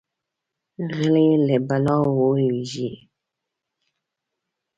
غلی، له بلا ووېریږي.